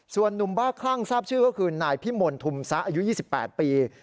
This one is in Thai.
ส่วนนุ่มบ้าคลั่งทราบชื่อก็คือนายพิมลทุมซะอายุ๒๘ปี